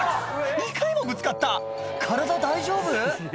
２回もぶつかった体大丈夫？